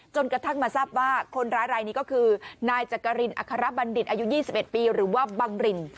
จนกระทั่งมาทรัพย์ว่าคนร้ายรายนี้ก็คือนายจักรินอาคาระบัณฑิตอายุยี่สิบเอ็ดปีหรือว่าบังริน